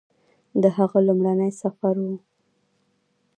د هغه لومړنی سفر و